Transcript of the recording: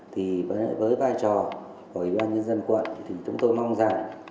thì với vai trò của ủy ban nhân dân quận thì chúng tôi mong rằng